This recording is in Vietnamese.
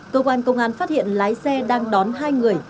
cơ quan công an phát hiện lái xe đang đón hai người